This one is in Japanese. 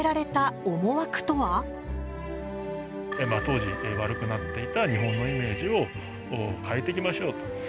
当時悪くなっていた日本のイメージを変えていきましょうと。